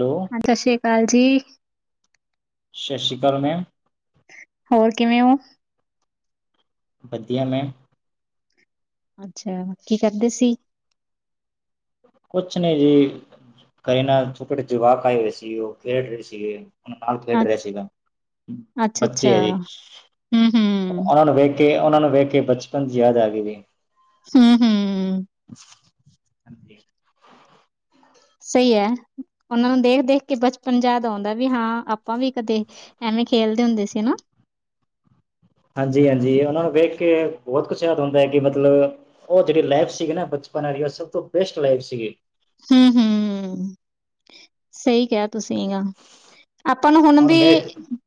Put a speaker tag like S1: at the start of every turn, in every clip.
S1: Hello
S2: ਹਾਂਜੀ ਸ਼ਸ਼ ਸ਼ੀਆ ਕਾਲ ਜੀ।
S1: ਸ਼ਸੀ਼ ਕਾਲ ਮੈਮ।
S2: ਹੋਰ ਕਿਵੇਂ ਓ?
S1: ਬਦੀਆਂ ਮੈਮ।
S2: ਅੱਛਾ, ਕੀ ਕਰਦੇ ਸੀ?
S1: ਕੁੱਛ ਨਈ ਜੀ, ਕਏ ਨਾ [unintelligible] ਜਵਾਕ ਆਏ ਹੋਏ ਸੀ ਓ ਖੇਡ ਰਏ ਸੀਗੇ। ਹੁਨ ਨਾਲ ਖੇਡ ਰੇਆ ਸੀਗਾ, ਬੱਚੇ
S2: ਅੱਛਾ-ਅੱਛਾ,
S1: ਐ ਜੀ
S2: ਹੂੰ-ਹੂੰ,
S1: ਓਨਾ ਨੂੰ ਵੇਖ ਕੇ ਓਨਾ ਨੂੰ ਵੇਖ ਕੇ ਬਚਪਨ ਦੀ ਯਾਦ ਆਗੀ ਜੀ।
S2: ਹੂੰ-ਹੂੰ।
S1: [unintelligible]
S2: ਸਈ ਐ, ਓਨਾ ਨੂੰ ਦੇਖ-ਦੇਖ ਕੇ ਬਚਪਨ ਜਾਦ ਔਂਦਾ ਵੀ ਹਾਂ ਆਪਾਂ ਵੀ ਕਦੇ ਐਵੇਂ ਖੇਲਦੇ ਹੁੰਦੇ ਸੀ ਨਾ।
S1: ਹਾਂਜੀ-ਹਾਂਜੀ, ਓਨਾ ਨੂੰ ਵੇਖ ਕੇ ਬੋਤ ਕੁੱਛ ਯਾਦ ਔਂਦਾ ਐ ਕਿ ਮਤਲਬ ਓ ਜੇੜੀ ਲੈਫ ਸੀਗੀ ਨਾ ਬਚਪਨ ਆਲੀ਼ ਓ ਸਬ ਤੋਂ ਬੈਸਟ ਲਾਈਫ ਸੀਗੀ।
S2: ਹੂੰ-ਹੂੰ, ਸਈ ਕੇਆ ਤੁਸੀਂ ਏਨਾਂ ਨੂੰ। ਆਪਾਂ ਨੂੰ ਹੋਨ
S1: ਹੁਣ
S2: ਬੀ
S1: ਮੈਂ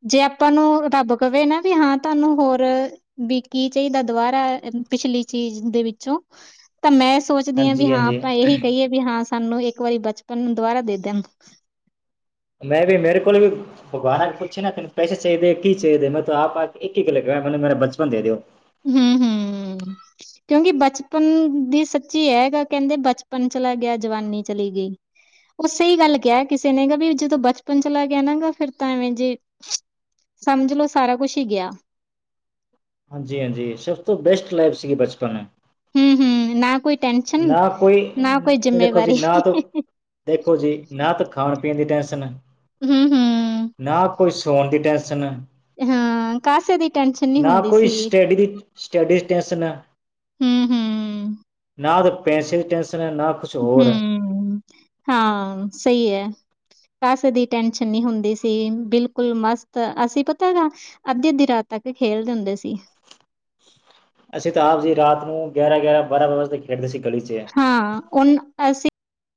S2: ਜੇ ਆਪਾਂ ਨੂੰ ਰੱਬ ਕਵੇ ਨਾ ਵੀ ਹਾਂ ਤੁਆਨੂੰ ਹੋਰ ਬੀ ਕੀ ਚਈਦਾ ਦੁਬਾਰਾ ਅ, ਪਿਛਲੀ ਚੀਜ ਦੇ ਵਿੱਚੋਂ ਤਾਂ ਮੈਂ ਸੋਚਦੀ ਹਾਂ ਵੀ
S1: ਹਾਂਜੀ
S2: ਹਾਂ
S1: ਹਾਂਜੀ
S2: ਆਪਾਂ ਏਹੀ ਕਹੀਏ ਵੀ ਹਾਂ ਸਾਨੂੰ ਇੱਕ ਵਾਰੀ ਬਚਪਨ ਨੂੰ ਦੁਬਾਰਾ ਦੇ ਦੇਨ।
S1: ਮੈਂ ਵੀ ਮੇਰੇ ਕੋਲ ਵੀ ਭਗਵਾਨ ਪੁੱਛੇ ਨਾ ਤੈਨੂੰ ਪੈਸੇ ਚਾਈਦੇ, ਕੀ ਚਾਈਦੇ? ਮੈਂ ਤਾ ਆਪ ਆ ਕੇ ਇੱਕ ਹੀ ਗੱਲ ਕਾਂ, ਮੈਨੂੰ ਮੇਰਾ ਬਚਪਨ ਦੇ ਦਿਓ।
S2: ਹੂੰ ਹੂੰ। ਕਿਉਂਕਿ ਬਚਪਨ ਦੀ ਸੱਚੀ ਐ ਏ ਗੱਲ, ਕੈਂਦੇ ਬਚਪਨ ਚਲਾ ਗਿਆ, ਜਵਾਨੀ ਚਲੀ ਗਈ। ੳਹ ਸਹੀ ਗੱਲ ਕੈਆ ਕਿਸੇ ਨੇ ਗਾ ਵੀ ਜਦੋਂ ਬਚਪਨ ਚਲਾ ਗਿਆ ਨਾ ਗਾ ਫੇਰ ਤਾਂ ਐਵੇਂ ਜੇ ਸਮਝ ਲੋ ਸਾਰਾ ਕੁਛ ਈ ਗਿਆ।
S1: ਹਾਂਜੀ-ਹਾਂਜੀ, ਸਭ ਤੋਂ ਬੈਸਟ ਲਾਈਫ ਸੀਗੀ ਬਚਪਨ।
S2: ਹੂੰ ਹੂੰ। ਨਾ ਕੋਈ ਟੈਨਸ਼ਨ
S1: ਨਾ ਕੋਈ
S2: ਨਾ ਕੋਈ
S1: ਦੇਖੋ ਜੀ
S2: ਜਿੰਮੇਵਾਰੀ।
S1: ਨਾ ਤੋਂ ਦੇਖੋ ਜੀ ਨਾ ਤੇ ਖਾਨ- ਪੀਨ ਦੀ ਟੈਂਸ਼ਨ
S2: ਹੂੰ ਹੂੰ।
S1: ਨਾ ਕੋਈ ਸੋਨ ਦੀ ਟੈਸ਼ਨ
S2: ਹਾਂ ਕਾਸੇ ਦੀ ਟੈਨਸ਼ਨ ਨੀ ਹੁੰਦੀ ਸੀ।
S1: [unintelligible] ਸਟਡੀਸ ਟੈਸਨਾ
S2: ਹੂੰ ਹੂੰ।
S1: ਨਾ ਤੇ ਪੈਸੇ ਦੀ ਟੈਸ਼ਨ ਏ, ਨਾ ਕੁ
S2: ਹੂੰ ਹਾਂ, ਸਹੀ ਐ। ਕਾਸੇ ਦੀ ਟੈਨਸ਼ਨ ਨੀ ਹੁੰਦੀ ਸੀ ਬਿਲਕੁਲ ਮਸਤ, ਅਸੀ ਪਤਾ ਗਾ ਅੱਧੀ-ਅੱਧੀ ਰਾਤ ਤੱਕ ਖੇਲਦੇ ਹੁੰਦੇ ਸੀ।
S1: ਅਸੀਂ ਤਾਂ ਆਪ ਜੀ ਰਾਤ ਨੂੰ ਗਿਆਰਾਂ-ਗਿਆਰਾਂ ਬਾਰਾਂ ਬਾ ਵਜੇੇ ਤਕ ਖੇਡਦੇ ਸੀ ਗਲੀ ਚ।
S2: ਹਾਂ ਓਨ ਅਸੀ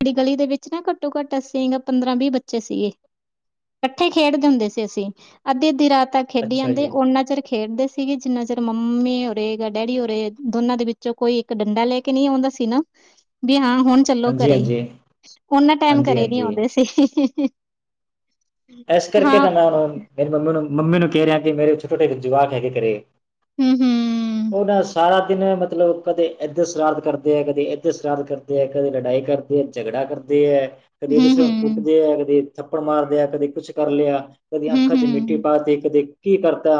S2: ਅਪਨੀ ਗਲੀ ਦੇ ਵਿੱਚ ਨਾ ਘੱਟੋ-ਘੱਟ ਅਸੀ ਪੰਦਰਾਂ ਵੀਹ ਬੱਚੇ ਸੀਗੇ। ਕੱਠੇ ਖੇਡਦੇ ਹੁੰਦੇ ਸੀ ਅਸੀ। ਅੱਧੀ-ਅੱਧੀ ਰਾਤ ਤੱਕ ਖੇਡੀ
S1: ਅੱਛਾ
S2: ਆਂਦੇ
S1: ਜੀ,
S2: ਓਨਾ ਚੇਰ ਖੇਡਦੇ ਸੀ ਸੀਗੇ ਜਿੰਨਾ ਚਿਰ ਮੰਮੀ ਹੋਰੇ ਜਾਂ ਡੈਡੀ ਹੋਰੇ ਦੋਨਾਂ ਦੇ ਵਿੱਚੋਂ ਕੋਈ ਇੱਕ ਡੰਡਾ ਲੈ ਕੇ ਨਈ ਆਉਂਦਾ ਸੀ ਨਾ। ਬੀ ਹਾਂ ਹੁਨ ਚੱਲੋ ਘਰੇ,
S1: ਹਾਂਜੀ-ਹਾਂਜੀ,
S2: ੳਨਾ ਟਾਈਮ ਘਰੇ ਨੀ
S1: ਹਾਂਜੀ-ਹਾਂਜੀ।
S2: ਆਉਂਦੇ ਸੀ।
S1: ਏਸ ਕਰਕੇ
S2: ਹਾਂ
S1: ਤਾਂ ਮੈਂ ੳਨੂੰ ਮੇਰੀ ਮੰਮੀ ਨੂੰ ਮੰਮੀ ਨੂੰ ਕੈ ਰੇਆ ਕਿ ਮੇਰੇ ਛੋਟੇ-ਛੋਟੇ ਜਵਾਕ ਹੈਗੇ ਘਰੇ।
S2: ਹੂੰ ਹੂੰ।
S1: [inaudible] ੳਦਾ ਸਾਰਾ ਦਿਨ ਮਤਲਬ ਕਦੇ ਏਧਰ ਸ਼ਰਾਰਤ ਕਰਦੇ ਏ, ਕਦੇ ਏਧਰ ਸ਼ਰਾਰਤ ਕਰਦੇ ਏ, ਕਦੇ ਲੜਾਈ ਕਰਦੇ ਏ, ਝਗੜਾ ਕਰਦੇ ਏ, ਕਦੇ
S2: ਹੂੰ
S1: ਏਕ-ਦੂਸਰੇ
S2: ਹੂੰ
S1: ਨੂੰ ਕੁੱਟਦੇ ਏ, ਕਦੇ ਥੱਪੜ ਮਾਰਦੇ ਆ, ਕਦੇ ਕੁਛ ਕਰ ਲਿਆ ਕਦੀ
S2: ਹੂੰ
S1: ਅੱਖਾਂ ਚ
S2: ਹੂੰ
S1: ਮਿੱਟੀ ਪਾ ਤੀ, ਕਦੇ ਕੀ ਕਰਤਾ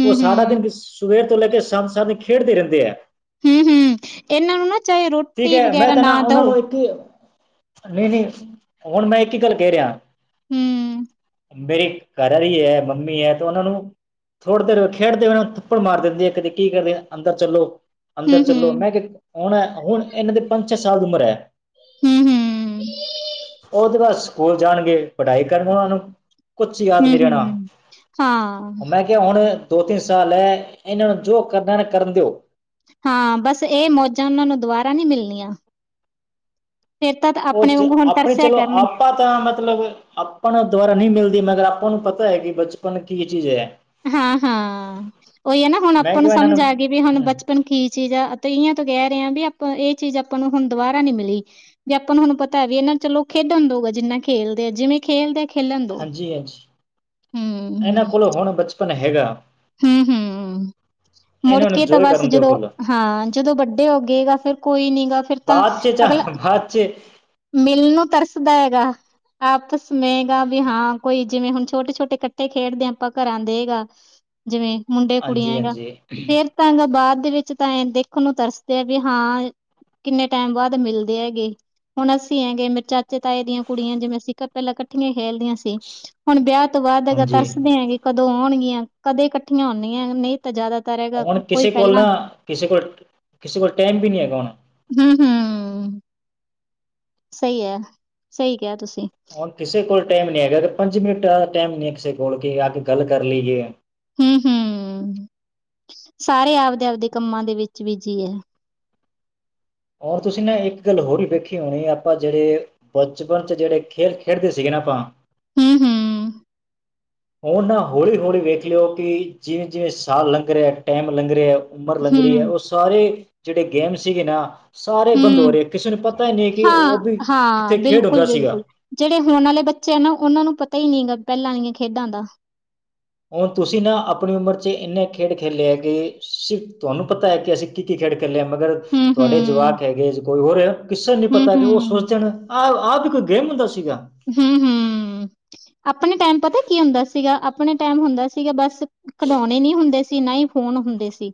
S2: ਹੂੰ
S1: ਸਾਰਾ
S2: ਹੂੰ
S1: ਦਿਨ ਸਵੇਰ ਤੋਂ ਲੈ ਕੇ ਸ਼ਾਮ, ਸਾਮੀ ਖੇਡਦੇ ਰੈੰਦੇ ਏ।
S2: ਹੂੰ ਹੂੰ ਇਹਨਾਂ ਨੂੰ ਨਾ ਚਾਹੇ
S1: ਠੀਕ
S2: ਰੋਟੀ
S1: ਏ ਮੈਂ
S2: ਵਗੈਰਾ
S1: ਤੇ ਨਾ ੳਨਾਂ
S2: ਦਓ
S1: ਨੂੰ ਇੱਕ ਈ ਨਈ- ਨਈ ਹੁਨ ਮੈਂ ਇੱਕ ਈ ਗੱਲ ਕੈ ਰਿਆ
S2: ਹੂੰ।
S1: ਮੇਰੀ ਘਰਆਲੀ ਏ, ਮੰਮੀ ਏ ਤੇ ੳਨਾਂ ਨੂੰ ਥੋੜੀ ਦੇਰ ਖੇਡਦੇ ੳਨਾਂ ਨੂੰ ਥੱਪੜ ਮਾਰ ਦੇੰਦੀ ਏ, ਕੇਦੀ ਕੀ ਕਰਦੇ? ਅੰਦਰ ਚੱਲੋ
S2: ਹੂੰ
S1: ਅੰਦਰ ਚੱਲੋ।
S2: ਹੂੰ
S1: ਮੈਂ ਕੈ ਹੁਨ, ਹੁਨ ਏਨਾਂ ਦੀ ਪੰਜ- ਛੇ ਸਾਲ ਦੀ ਉਮਰ ਐ।
S2: ਹੂੰ ਹੂੰ
S1: ੳਦੇ ਬਾਦ ਸਕੂਲ ਜਾਨਗੇ ਪਢਾ਼ਈ ਕਰਨ ੳਨੂੰ ਕੁਛ ਯਾਦ
S2: ਹੂੰ,
S1: ਨੀ ਰੇਨਾ,
S2: ਹੂੰ, ਹਾਂ,
S1: ੳ ਮੈਂ ਕੇਆ ਹੁਨ ਦੋ-ਤਿੰਨ ਸਾਲ ਹੈ, ਏਨਾਂ ਨੂੰ ਜੋ ਕਰਨਾ ਨਾ ਕਰਨ ਦੇਓ
S2: ਹਾਂ ਬਸ ਏਹ ਮੌਜਾਂ ੳਨਾਂ ਨੂੰ ਦੁਬਾਰਾ ਨੀ ਮਿਲਨੀਆਂ।
S1: ੳ ਚ
S2: ਵਾਂਗੂ ਹੁਣ
S1: ਅਪਨੇ
S2: ਤਰਸਿਆ
S1: ਚਲੋ
S2: ਕਰਨਗੇ
S1: ਆਪਾਂ ਤਾਂ ਮਤਲਬ ਆਪਾਂ ਦੁਆਰਾ ਨੀ ਮਿਲਦੀ, ਮਗਰ ਆਪਾਂ ਨੂੰ ਪਤਾ ਏ ਕਿ ਬਚਪਨ ਕੀ ਚੀਜ ਐ।
S2: ਹਾਂ ਹਾਂ ਉਹੀ ਹੈ ਨਾ ਹੁਣ
S1: ਮੈਂ
S2: ਆਪਾਂ ਨੂੰ
S1: ਕਿਹਾ ਇਹਨਾਂ
S2: ਸਮਝ ਆ ਗਈ ਵੀ ਹੁਣ ਬੱਚੇ ਪਨ ਕੀ ਚੀਜ਼ ਆ ਤੇ ਇਓ ਤੋਂ ਕਹਿ ਰਹੇ ਹਾਂ ਵੀ ਆਪਾਂ ਇਹ ਚੀਜ਼ ਆਪਾਂ ਨੂੰ ਹੁਣ ਦੁਬਾਰਾ ਨੀ ਮਿਲੀ। ਵੀੇ ਆਪਾਂ ਨੂੰ ਹੁਣ ਪਤਾ ਵੀ ਇਹਨਾ ਚਲੋ ਖੇਡਣ ਦਊਗਾ ਜਿੰਨਾ ਖੇਲਦੇ ਆ ਜਿਵੇਂ ਖੇਲਦੇ ਖੇਲਣ ਦੋ
S1: ਹਾਂਜੀ
S2: ਹਮ।
S1: ਹੋਣ ਬੱਚੇ ਆਪ ਹੈਗਾ
S2: ਹੂੰ। ਮੁੜ
S1: ਇਹਨੂੰ
S2: ਕੇ ਤਾਂ
S1: ਇੰਜੋਏ
S2: ਬਸ
S1: ਕਰਨ ਦਿਓ
S2: ਜਦੋਂ
S1: ਫੁੱਲ
S2: ਹਾਂ ਜਦੋਂ ਵੱਡੇ ਹੋ ਗਏਗਾ ਫਿਰ ਕੋਈ ਨੀ ਗਾ ਫਿਰ ਤਾਂ
S1: ਚੱਟ
S2: ਅਗਲਾ
S1: ਬਹਾਰ ਚ। [unintelligible]
S2: ਮਿਲਣ ਨੂੰ ਤਰਸਦਾ ਹੈਗਾ ਆਪਸ ਮੇਗਾ ਵੀ ਹਾਂ ਕੋਈ ਜਿਵੇਂ ਹੁਣ ਛੋਟੇ ਛੋਟੇ ਕੰਚੇ ਖੇਡਦੇ ਹਾਂ ਆਪਾਂ ਘਰਾਂ ਦੇ ਹੈਗਾ ਜਿਵੇਂ ਮੁੰਡੇ ਕੁੜੀਆਂ
S1: ਹਾਂਜੀ
S2: ਹੈਗਾ
S1: ਹਾਂਜੀ
S2: ਫੇਰ ਤਾਂ ਬਾਅਦ ਦੇ ਵਿੱਚ ਤਾਂ ਇਹ ਦੇਖਣ ਨੂੰ ਤਰਸਦੇ ਆ ਵੀ ਹਾਂ ਕਿੰਨੇ ਟੈਮ ਬਾਅਦ ਮਿਲਦੇ ਹੈਗੇ ਹੁਣ ਅਸੀਂ ਹੈਂਗੇ ਮੇਰੇ ਚਾਚੇ ਤਾ ਦੀਆਂ ਕੁੜੀਆਂ ਜਿਵੇਂ ਪੈਲਾਂ ਇਕੱਠੀਆਂ ਖੇਲਦੀਆਂ ਸੀ। ਹੁਣ ਵਿਆਹ ਤੋਂ ਬਾਅਦ
S1: ਹਾਂਜੀ
S2: ਤਰਸਦੇ ਆਂ ਕਿ ਕਦੋਂ ਆਉਣਗੀਆਂ ਕਦੇ ਇਕੱਠੀਆਂ ਹੁੰਦੀਆਂ ਨਹੀਂ ਤਾਂ ਜ਼ਿਆਦਾਤਰ ਹੈ
S1: ਹੁਣ ਕਿਸੇ ਕੋਲ ਨਾ ਕਿਸੇ ਕੋਲ ਕਿਸੇ ਕੋਲ ਟੈਮ ਵੀ ਨਹੀਂ ਹੈਗਾ ਹੁਣ।
S2: ਹਮ ਹਮ ਸਹੀ ਹੈ ਸਹੀ ਕਿਹਾ ਤੁਸੀਂ।
S1: ਹੁਣ ਕਿਸੇ ਕੋਲ ਟੈਮ ਨੀ ਹੈਗਾ ਪੰਜ ਮਿੰਟ ਦਾ ਟੈਮ ਨਹੀਂ ਹੈ ਕਿਸੇ ਕੋਲ ਕਿ ਆ ਕੇ ਗੱਲ ਕਰ ਲਈਏ
S2: ਹਮ ਹਮ ਸਾਰੇ ਆਪਦੇ ਆਪਦੇ ਕੰਮਾਂ ਦੇ ਵਿੱਚ ਬੀਜ਼ੀ ਹੈ।
S1: ਹੁਣ ਤੁਸੀਂ ਨਾ ਇੱਕ ਗੱਲ ਹੋਰ ਹੀ ਵੇਖੀ ਹੋਣੀ ਆਪਾਂ ਜਿਹੜੇ ਬਚਪਨ ਚ ਜਿਹੜੇ ਖੇਲ ਖੇਡਦੇ ਸੀਗੇ ਨਾ ਆਪਾਂ
S2: ਹਮ ਹਮ।
S1: ਹੁਣ ਨਾ ਹੌਲੀ ਹੌਲੀ ਵੇਖ ਲਿਓ ਕਿ ਜਿਵੇਂ ਜਿਵੇਂ ਸਾਲ ਲੰਘ ਰਿਹਾ ਟੈਮ ਲੰਘ ਰਿਹਾ ਉਮਰ ਲੰਗ ਰਹੀ ਹੈ
S2: ਹੂੰ,
S1: ਉਹ ਸਾਰੇ ਜਿਹੜੇ ਗੇਮ ਸੀਗੇ ਨਾ ਸਾਰੇ ਬੰਦ ਹੋ
S2: ਹੂੰ,
S1: ਰਹੇ ਕਿਸੇ ਨੂੰ ਪਤਾ ਹੀ ਨਹੀਂ ਕਿ ਉਹ
S2: ਹਾਂ,
S1: ਵੀ
S2: ਹਾਂ,
S1: ਕਿੱਥੇ ਖੇਡ ਹੁੰਦਾ ਸੀਗਾ
S2: ਬਿਲਕੁਲ-ਬਿਲਕੁਲ। ਜਿਹੜੇ ਹੁਣ ਵਾਲੇ ਬੱਚੇ ਆ ਨਾ ਉਹਨਾਂ ਨੂੰ ਪਤਾ ਹੀ ਨਹੀਂ ਹੈਗਾ ਪੈਲਾਂ ਦੀਆਂ ਖੇਡਾਂ ਦਾ।
S1: ਹੁਣ ਤੁਸੀਂ ਨਾ ਆਪਣੀ ਉਮਰ ਚ ਇੰਨੇ ਖੇਡ ਖੇਲੇ ਹੈਗੇ ਸਿਰਫ ਤੁਹਾਨੂੰ ਪਤਾ ਹੈ ਕਿ ਅਸੀਂ ਕੀ ਕੀ ਖੇਡ ਖੇਲਿਆ ਮਗਰ ਤੁਹਾਡੇ
S2: ਹੂੰ-ਹੂੰ,
S1: ਜਵਾਕ ਹੈਗੇ ਕੋਈ ਹੋਰ ਕਿਸੇ ਨੀ ਪਤਾ ਕਿ ਉਹ
S2: ਹੂੰ-ਹੂੰ,
S1: ਸੋਚ ਜਾਣ ਆਹ ਆਪ ਵੀ ਕੋਈ ਗੇਮ ਹੁੰਦਾ ਸੀਗਾ।
S2: ਹਮ ਹਮ ਆਪਣੇ ਟੈਮ ਪਤਾ ਕੀ ਹੁੰਦਾ ਸੀਗਾ ਆਪਣੇ ਟੈਮ ਹੁੰਦਾ ਸੀਗਾ ਬਸ ਖਡੋਣੇ ਨੀ ਹੁੰਦੇ ਸੀ ਨਾ ਹੀ ਫੋਨ ਹੁੰਦੇ ਸੀ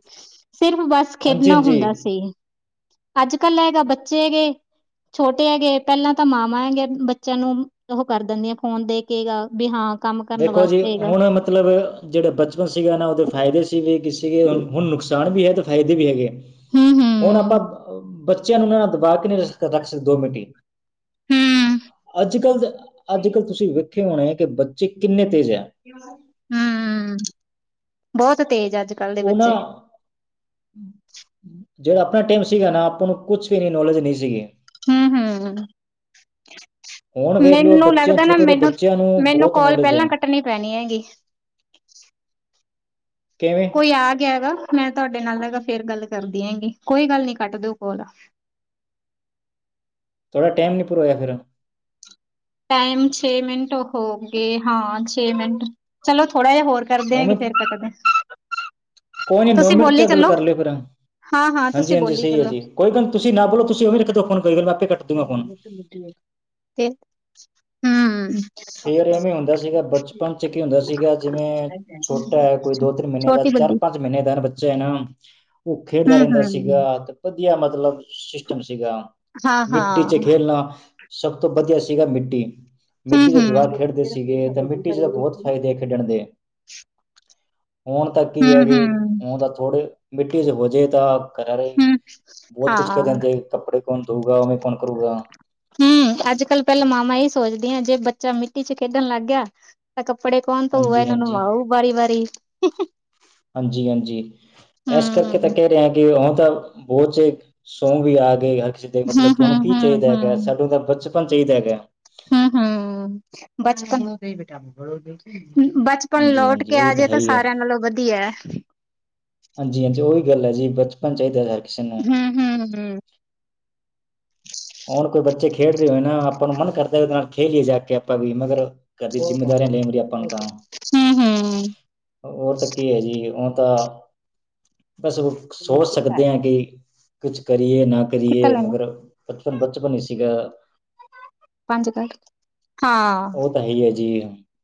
S2: ਸਿਰਫ ਬਸ
S1: ਹਾਂਜੀ
S2: ਖੇਡਣਾ ਹੁੰਦਾ
S1: ਹਾਂਜੀ
S2: ਸੀ ਅੱਜ ਕੱਲ ਹੈਗਾ ਬੱਚੇ ਹੈਗੇ ਛੋਟੇ ਹੈਗੇ ਪੈਲਾਂ ਤਾਂ ਮਾਵਾਂ ਹੈਗੇ ਬੱਚਿਆਂ ਨੂੰ ਉਹ ਕਰ ਦਿੰਦੀਆਂ ਫ਼ੋਨ ਦੇ ਕੇ ਗ ਵੀ ਹਾਂ ਕੰਮ ਕਰਨ
S1: ਦੇਖੋ ਜੀ
S2: ਵਾਸਤੇ ਹੈਗਾ
S1: ਹੁਣ ਮਤਲਬ ਜਿਹੜਾ ਬਚਪਨ ਸੀਗਾ ਨਾ ਉਹਦੇ ਫਾਇਦੇ ਸੀ ਵੀ ਕਿ ਸੀਗੇ
S2: ਹੂੰ
S1: ਹੁਣ ਨੁਕਸਾਨ ਵੀ ਹੈ ਅਤੇ ਫਾਇਦੇ ਵੀ ਹੈਗੇ
S2: ਹੂੰ
S1: ਹੁਣ ਆਪਾਂ ਬੱਚਿਆਂ ਨੂੰ ਨਾਂ ਦਬਾ ਕਿ ਰ ਰੱਖ ਸਕਦੇ ਦੋ ਮਿੰਟ
S2: ਹੂੰ
S1: ਅੱਜ ਕੱਲ ਦੇ ਅੱਜ ਕੱਲ ਤੁਸੀਂ ਦੇਖੇ ਹੋਣੇ ਹੈ ਕਿ ਬੱਚੇ ਕਿੰਨੇ ਤੇਜ਼ ਹੈ
S2: ਹਮ ਬੋਤ ਤੇਜ ਅੱਜ ਕੱਲ੍ਹ ਦੇ
S1: ਉਹਨਾ
S2: ਬੱਚੇ
S1: ਜਿਹੜਾ ਆਪਣਾ ਟੈਮ ਸੀਗਾ ਨਾ ਆਪਾਂ ਨੂੰ ਕੁਛ ਵੀ ਨੌਲੇਜ ਨਹੀਂ ਸੀਗੀ
S2: ਹਮ ਹਮ
S1: ਹੁਣ ਵੇਖ ਲਓ
S2: ਮੈਨੂੰ
S1: ਬੱਚਿਆਂ
S2: ਲੱਗਦਾ ਨਾ
S1: ਛੋਟੇ ਛੋਟੇ
S2: ਮੈਨੂੰ
S1: ਬੱਚਿਆਂ ਨੂੰ
S2: ਮੈਨੂੰ
S1: ਬਹੁਤ
S2: ਕੋਲ
S1: ਨੌਲੇਜ
S2: ਪੈਲਾਂ
S1: ਹੈ
S2: ਕੱਟਣੀ ਪੈਣੀ ਹੈਗੀ
S1: ਕਿਵੇਂ
S2: ਵੀ ਆ ਗਿਆ ਗਾ ਮੈਂ ਤੁਹਾਡੇ ਨਾਲ ਹੈਗਾ ਫੇਰ ਗੱਲ ਕਰਦੀ ਹੈਗੀ ਕੋਈ ਗੱਲ ਨੀ ਕੱਟ ਦਿਓ ਕੋਲ।
S1: ਥੋੜ੍ਹਾ ਟੈਮ ਨੀ ਭਰੋਆ ਫਿਰ।
S2: ਟਾਈਮ ਛੇ ਮਿੰਟ ਹੋ ਗਏ ਹਾਂ ਛੇ ਮਿੰਟ, ਚਲੋ ਥੋੜਾ ਜਾ ਹੋਰ ਕਰਦੇ ਆ ਗੇ
S1: ਉਵੇਂ
S2: ਫਿਰ ਕੱਟ ਦੇ।
S1: ਕੋਈ ਨੀ ਨੌ ਮਿੰਟ 'ਚ ਗੱਲ
S2: ਚੱਲੋ
S1: ਕਰ ਲਿਓ ਫਿਰ,
S2: ਹਾਂ ਹਾਂ ਤੁਸੀਂ
S1: ਹਾਂਜੀ-ਹਾਂਜੀ
S2: ਬੋਲੀ
S1: ਸਹੀ ਐ ਜੀ। ਕੋਈ ਗੱਲ ਤੁਸੀਂ ਨਾ ਬੋਲੋ ਤੁਸੀਂ ਉਵੇਂ ਈ ਰੱਖ ਦੋ ਫੂਨ ਕੋਈ ਗੱਲ ਮੈਂ ਆਪੇ ਕਟ
S2: ਹੂੰ
S1: ਫੇਰ ਇਵੇਂ ਹੁੰਦਾ ਸੀਗਾ ਬਚਪਨ 'ਚ ਕੀ ਹੁੰਦਾ ਸੀਗਾ ਜਿਵੇਂ, ਛੋਟਾ ਹੈ ਕੋਈ ਦੋ-ਤਿੰਨ ਮਹੀਨੇ ਦਾ
S2: ਛੋਟੀ ਵੱਡੀ
S1: ਚਾਰ-ਪੰਜ ਪੰਜ ਮਹੀਨੇ ਦਾ ਬੱਚਾ ਹੈ ਨਾ, ਉਹ ਖੇਡਦਾ
S2: ਹੂੰ
S1: ਰਹਿੰਦਾ
S2: ਹੂੰ
S1: ਸੀਗਾ ਵਧੀਆ ਮਤਲਬ ਸਿਸਟਮ ਸੀਗਾ,
S2: ਹਾਂ ਹਾਂ
S1: ਮਿੱਟੀ 'ਚ ਖੇਲਣਾ। ਸਭ ਤੋਂ ਵਧੀਆ ਸੀਗਾ ਮਿੱਟੀ,
S2: ਹੂੰ
S1: ਮਿੱਟੀ 'ਚ
S2: ਹੂੰ
S1: ਜਵਾਕ
S2: ਹੂੰ
S1: ਖੇਡਦੇ ਸੀਗੇ ਤਾਂ ਮਿੱਟੀ ਚ ਤਾਂ ਬਹੁਤ ਫਾਇਦੇ ਖੇਡਣ ਦੇ। ਹੁਣ ਤਾਂ ਕੀ
S2: ਹੂੰ
S1: ਹੈਗੇ,
S2: ਹੂੰ
S1: ਹੁਣ ਤਾਂ ਥੋੜੇ ਮਿੱਟੀ 'ਚ ਹੋਜੇ ਤਾਂ ਕਰ ਰਹੇ, ਬਹੁਤ ਕੁੱਛ
S2: ਹਾਂ
S1: ਕਹਿ ਦਿੰਦੇ ਕੱਪੜੇ ਕੌਣ ਧੋਉਗਾ ਉਵੇਂ ਕੌਣ ਕਰੂਗਾ।
S2: ਹੂੰ ਅੱਜਕੱਲ ਪਹਿਲਾਂ ਮਾਵਾਂ ਇਹ ਸੋਚਦੀਆਂ ਜੇ ਬੱਚਾ ਮਿੱਟੀ 'ਚ ਖੇਡਣ ਲੱਗ ਗਿਆ ਤਾਂ ਕੱਪੜੇ ਕੌਣ ਧੋਊ
S1: ਹਾਂਜੀ
S2: ਇਹਨੂੰ
S1: ਹਾਂਜੀ
S2: ਨਵਾਊ ਵਾਰੀ-ਵਾਰੀ।
S1: ਹਾਂਜੀ-ਹਾਂਜੀ, ਇਸ ਕਰਕੇ
S2: ਹੂੰ
S1: ਤਾਂ ਕਹਿ ਰਿਹਾ ਕਿ ਉਹ ਤਾਂ, ਬਹੁਤ 'ਚ ਸੋ ਵੀ ਆ ਗਏ ਹਰ ਕਿਸੇ
S2: ਹੂੰ
S1: ਮਤਲਬ
S2: ਹੂੰ
S1: ਤੁਹਾਨੂੰ ਕੀ
S2: ਹੂੰ
S1: ਚਾਹੀਦਾ ਹੈਗਾ ਸਾਨੂੰ ਤਾਂ ਬਚਪਨ ਚਾਹੀਦਾ ਹੈਗਾ।
S2: ਹੂੰ-ਹੂੰ, ਬਚਪਨ, ਬਚ ਪਨ
S1: ਹਾਂਜੀ,
S2: ਲੌਟ
S1: ਹਾਂਜੀ
S2: ਕੇ
S1: ਉਹੀ
S2: ਆਜੇ
S1: ਹੈ
S2: ਤਾਂ
S1: ਹੀ ਹੈ।
S2: ਸਾਰਿਆਂ ਨਾਲੋਂ ਵਧੀਆ।
S1: ਹਾਂਜੀ-ਹਾਂਜੀ ਉਹੀ ਗੱਲ ਹੈ ਜੀ ਬਚਪਨ ਚਾਹੀਦਾ ਹਰ ਕਿਸੇ ਨੂੰ।
S2: ਹੂੰ ਹੂੰ ਹੂੰ।
S1: ਹੁਣ ਕੋਈ ਬੱਚੇ ਖੇਡ ਰਹੇ ਹੋਏ ਨਾ ਆਪਾਂ ਨੂੰ ਮਨ ਕਰਦਾ ਉਹਦੇ ਨਾਲ ਖੇਲੀਏ ਜਾ ਕੇ ਆਪਾਂ ਵੀ ਮਗਰ ਘਰ ਦੀ ਜਿੰਮੇਦਾਰੀਆਂ ਲੈ ਮੁੜੀਆਂ ਆਪਾਂ ਨੂੰ ਤਾਂ।
S2: ਹੂੰ ਹੂੰ
S1: ਹੋਰ ਤਾਂ ਕੀ ਹੈ ਜੀ ਉਹ ਤਾਂ, ਬਸ ਹੋ ਸੋਚ ਸਕਦੇ ਆ ਕਿ, ਕੁਛ ਕਰੀਏ ਨਾ
S2: ਕਿੱਥੇ
S1: ਕਰੀਏ
S2: ਲੈਣਾ
S1: ਮਗਰ ਬਚਪਨ ਬਚਪਨ ਹੀ ਸੀਗਾ।
S2: ਪੰਜ ਘਰ, ਹਾਂ।
S1: ਸਹੀ ਹੈ ਜੀ,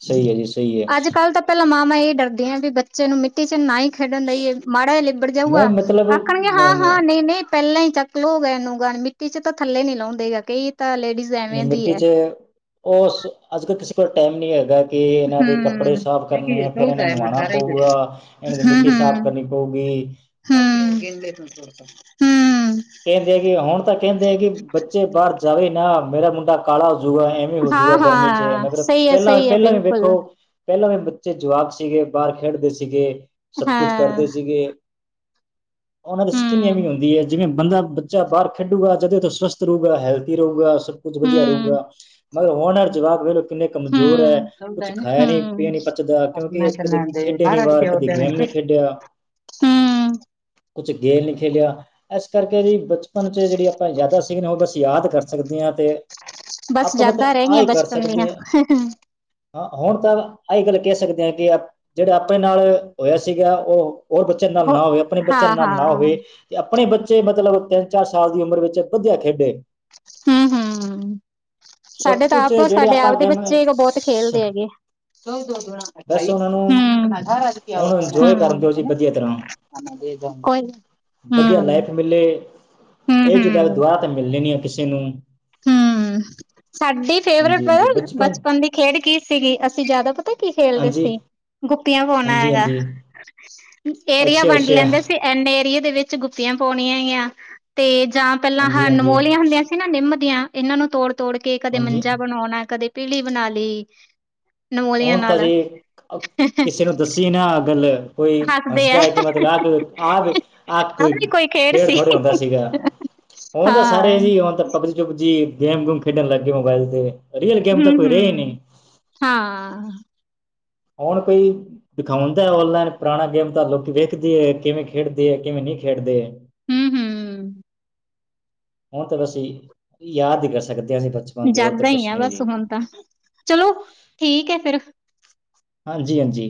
S1: ਸਹੀ ਐ ਜੀ ਸਹੀ ਐ।
S2: ਅੱਜ ਕੱਲ੍ਹ ਤਾਂ ਪਹਿਲਾਂ ਮਾਵਾਂ ਇਹ ਡਰਦੀਆਂ ਵੀ ਬੱਚੇ ਨੂੰ ਮਿੱਟੀ 'ਚ ਨਾ ਹੀ ਖੇਡਣ ਦੇਈਏ, ਮਾੜਾ ਜਾ ਲਿੱਬੜ ਜਾਊਗਾ,
S1: ਮੈਂ ਮਤਲਬ
S2: ਆਖਣਗੇ
S1: ਮ-
S2: ਹਾਂ-ਹਾਂ ਨਹੀਂ-ਨਹੀਂ ਪਹਿਲਾਂ ਹੀ ਚੱਕਲੋਗੇ ਇਹਨੂੰ ਗ ਮਿੱਟੀ ਚ ਤਾਂ ਥੱਲੇ ਨੀ ਲਾਉਂਦੇਗਾ ਕਈ ਤਾਂ ਲੇਡੀਜ਼
S1: ਨਹੀਂ
S2: ਐਵੇਂ ਦੀ
S1: ਮਿੱਟੀ
S2: ਹੈ
S1: 'ਚ, ਉਹ ਅੱਜਕੱਲ ਕਿਸੇ ਕੋਲ ਟਾਈਮ ਨਹੀਂ ਹੈਗਾ। ਕੇ ਇਹਨਾਂ ਦੇ ਕੱਪੜੇ
S2: ਹੂੰ
S1: ਸਾਫ਼ ਕਰਨੇ ਇ ਫਿਰ ਇਹਨਾਂ ਨੂੰ ਨੁਵਾਉਣਾ ਪਊਗਾ। ਇਹਨਾਂ ਦੀ
S2: ਹੂੰ
S1: ਮਿੱਟੀ ਸਾਫ਼ ਕਰਨੀ ਪਊਗੀ।
S2: ਹੂੰ, ਹੂੰ।
S1: ਫੇਰਦੇ ਗੀ ਹੁਣ ਤਾਂ ਕਹਿੰਦੇ ਹੈ ਕਿ ਬੱਚੇ ਬਾਹਰ ਜਾਵੇ ਨਾ ਮੇਰਾ ਮੁੰਡਾ ਕਾਲਾ ਹੋ ਜੂਗਾ। ਹੋਜੂਗਾ
S2: ਹਾਂ
S1: ਗਰਮੀ 'ਚ
S2: ਹਾਂ
S1: ਮਤਲਬ
S2: ਸਹੀ ਹੈ
S1: ਪਹਿਲਾਂ,
S2: ਸਹੀ ਹੈ
S1: ਪਹਿਲਾਂ ਵੀ
S2: ਬਿਲਕੁਲ
S1: ਵੇਖੋ ਪਹਿਲਾਂ ਵੀ ਬੱਚੇ ਜਵਾਕ ਸੀਗੇ ਬਾਹਰ ਖੇਡਦੇ ਸੀਗੇ, ਸਭ ਕੁਛ
S2: ਹਾਂ
S1: ਕਰਦੇ ਸੀਗੇ। ਉਹਨਾਂ ਦੇ ਸਕਿਨ ਐਵੇਂ
S2: ਹੂੰ
S1: ਹੁੰਦੀ ਏ ਜਿਵੇਂ ਬੰਦਾ ਬੱਚਾ ਬਾਹਰ ਖੇਡੂਗਾ ਜਦੇ ਤੇ ੳਹ ਸਵਸਥ ਰਹੁਗਾ, ਹੈਲਦੀ ਰਹੁਗਾ, ਸਭ ਕੁਝ ਵਧੀਆ
S2: ਹੂੰ
S1: ਰਹੁਗਾ। ਮਗਰ ਹੁਣ ਆਲੇ ਜਵਾਕ ਵੇਲੋ ਕਿੰਨੇ ਕਮਜ਼ੋਰ ਐ,
S2: ਹੂੰ
S1: ਕੁਛ ਖਾਇਆ ਨੀ ਪੀਆ
S2: ਹੂੰ
S1: ਨੀ ਪਚਦਾ ਕਿਉਂਕਿ ਉਹ ਕਦੇ ਖੇਡੇ ਨੀ ਵਾਰ ਕਦੇ ਗੇਮ ਨੀ ਖੇ ਖੇਡਿਆ।
S2: ਹੂੰ
S1: ਕੁਛ ਗੇਲ ਨੀ ਖੇਲਿਆ। ਇਸ ਕਰਕੇ ਜੀ, ਬਚਪਨ ਚ ਜਿਹੜੀ ਆਪਾਂ ਯਾਦਾ ਸੀ, ਉਹ ਬਸ ਯਾਦ ਕਰ ਸਕਦੇ ਹਾਂ ਤੇ
S2: ਬਸ
S1: ਆਪਾਂ
S2: ਯਾਦਾਂ
S1: ਮਤਲਬ,
S2: ਰਹਿ
S1: ਆ
S2: ਗਈਆਂ
S1: ਹੀ ਕਰ
S2: ਬਚਪਨ ਦੀਆਂ
S1: ਸਕਦੇ ਹ ਹਾਂ, ਹੁਣ ਤਾਂ ਆਹੀ ਗੱਲ ਕਹਿ ਸਕਦੇ ਆ ਕਿ, ਜਿਹੜਾ ਆਪਣੇ ਨਾਲ, ਹੋਇਆ ਸੀਗਾ ਉਹ ਹੋਰ ਬੱਚਿਆਂ ਨਾਲ
S2: ਹੋ
S1: ਨਾ ਹੋਵੇ, ਆਪਣੇ
S2: ਹਾਂ
S1: ਬੱਚਿਆਂ ਨਾਲ ਨਾ
S2: ਹਾਂ
S1: ਹੋਵੇ ਤੇ ਆਪਣੇ ਬੱਚੇ ਮਤਲਬ, ਤਿੰਨ-ਚਾਰ ਸਾਲ ਦੀ ਉਮਰ ਵਿੱਚ ਵਧੀਆ ਖੇਡੇ
S2: ਹੂੰ-ਹੂੰ
S1: ਸਭ
S2: ਸਾਡੇ ਤਾਂ
S1: ਕੁਛ
S2: ਆਪ,
S1: ਜਿਹੜੇ
S2: ਸਾਡੇ
S1: ਆਪਾਂ
S2: ਆਪਦੇ
S1: ਗੇਮ
S2: ਬੱਚੇ ਬਹੁਤ, ਖੇਲਦੇ ਹੈਗੇ ਚੋ ਤੋਂਧਣਾ ਅਠ ਅਠਾਰ
S1: ਬਸ ਉਹਨਾਂ ਨੂੰ
S2: [unintelligible] ਹੂੰ
S1: ਹੁਣ ਇੰਜੋਏ ਕਰਨ
S2: [unintelligible] ਹੂੰ ਉਹਧਣਾ
S1: ਦਿਓ ਜੀ
S2: ਹਨ
S1: ਵਧੀਆ ਤਰ੍ਹਾਂ
S2: [inaudible] ਅੰਦਰ ਦੇ ਜਾਓ, ਕੋਈ ਨਹੀਂ
S1: ਵਧੀਆ ਲਾਈਫ ਮਿਲੇ, ਇਹ
S2: ਹੂੰ
S1: ਚੀਜਾਂ ਦੁਬਾਰਾ ਤੇ ਮਿਲਣੀ ਨਹੀਂ ਕਿਸੇ ਨੂੰ
S2: ਹੂੰ, ਸਾਡੀ ਫੇਵਰੇਟ
S1: ਹਾਂਜੀ ਹਾਂਜੀ
S2: ਪਤਾ ਬਚਪਨ ਦੀ ਖੇਡ ਕੀ ਸੀਗੀ, ਅਸੀਂ ਜਿਆਦਾ ਪਤਾ ਕੀ ਖੇਲਦੇ
S1: ਹਾਂਜੀ
S2: ਸੀ ਗੁੱਪੀਆਂ ਪਾਉਣ
S1: ਹਾਂਜੀ
S2: ਆਏ ਗਾ,
S1: ਹਾਂਜੀ
S2: ਏਰੀਆ
S1: ਅੱਛਾ
S2: ਵੰਡ
S1: ਅੱਛਾ
S2: ਲੈਂਦੇ ਸੀ। ਇਹਨੇ ਏਰੀਏ ਦੇ ਵਿੱਚ ਗੁੱਪਆਂ ਪਾਉਣੀਆਂ ਹੈ ਈਆਂ ਤੇ ਜਾਂ ਪਹਿਲਾਂ
S1: ਹਾਂਜੀ ਹਾਂਜੀ
S2: ਹਨਮੋਲੀਆਂ, ਹੁੰਦੀਆਂ ਇਨਾ ਨਿੰਮ ਦੀਆਂ ਇਹਨਾਂ ਨੂੰ ਤੋੜ-ਤੋੜ ਕੇ ਕਦੇ
S1: ਹਾਂਜੀ
S2: ਮੰਜਾ ਬਣਾਉਣਾ, ਕਦੇ ਪੀੜੀ ਬਣਾ ਲਈ ਨਮੋਲੀਆਂ
S1: ਔਰਤ
S2: ਨਾਲ
S1: ਜੀ, ਕਿਸੇ ਨੂੰ ਦੱਸੀ ਨਾ ਆ ਗੱਲੇ ਕੋਈ
S2: ਹੱਸਦੇ ਆ
S1: ਹੱਸਦਾ ਹੈ ਕਿ ਮਤਲਬ, ਆਹ ਕੋ ਆ-ਆ
S2: ਆਹ
S1: ਕੋਈ
S2: ਵੀ
S1: ਖੇਡ
S2: ਸੀ।
S1: ਥੋੜਾ ਹੁੰਦਾ ਸੀਗਾ ਹੁਣ ਤਾਂ ਸਾਰੇ,
S2: ਹਾਂ।
S1: ਹੀ ਹੁਣ ਤਾਂ ਪਬਲਿ ਪਬਜੀ ਜੀ ਗੇਮ- ਗੂਮ ਖੇਡਣ ਲੱਗ ਗਏ ਮੋਬਾਇਲ ਤੇ, ਰੀਅਲ ਗੇਮ ਤਾਂ,
S2: ਹੂੰ,
S1: ਕੋਈ ਰਹੇ ਹੀ
S2: ਹੂੰ।
S1: ਨਈ
S2: ਹਾਂ।
S1: ਹੁਣ ਭਿ ਦਿਖਾਉਂਣ ਔਨਲਾਈਨ, ਪੁਰਾਣਾ ਗੇਮ ਤਾਂ ਲੋਕੀ ਵੇਖਦੀ ਏ, ਕਿਵੇਂ, ਖੇਡਦੀ ਹੈ ਕਿਵੇਂ, ਨਈ ਖੇਡਦੇ
S2: ਹੂੰ, ਹੂੰ।
S1: ਹੁਣ ਤਾਂ, ਅਸੀ ਯਾਦ ਹੀ ਕਰ ਸਕਦੇ ਹਾਂ, ਅਸੀਂ ਬੱਸ
S2: ਯਾਦਾ ਈ, ਆ ਬਸ ਹੁਣ ਤਾਂ, ਚਲੋ ਠੀਕ ਹੈ ਫਿਰ
S1: ਹਾਂਜੀ-ਹਾਂਜੀ